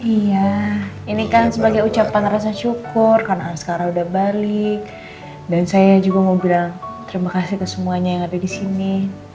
iya ini kan sebagai ucapan rasa syukur karena anak sekarang udah balik dan saya juga mau bilang terima kasih ke semuanya yang ada di sini